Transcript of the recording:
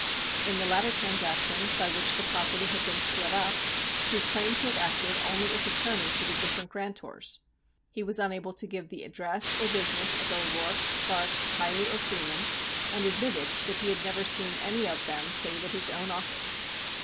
In the latter transactions, by which the property had been split up, he claimed to have acted only as attorney for the different grantors. He was unable to give the address or business of O'Rourke, Clark, Keilly or Freeman, and admitted that he had never seen any of them save at his own office.